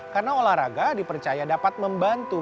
karena olahraga dipercaya dapat membantu